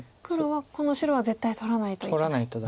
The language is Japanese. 黒はこの白は絶対取らないといけない。